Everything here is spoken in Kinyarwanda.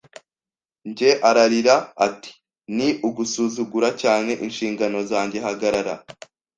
njye! ” ararira. Ati: “Ni ugusuzugura cyane inshingano zanjye. Hagarara